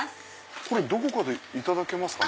これどこかでいただけますかね？